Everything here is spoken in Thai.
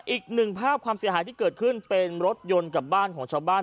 อีกหนึ่งภาพความเสียหายที่เกิดขึ้นเป็นรถยนต์กับบ้านของชาวบ้าน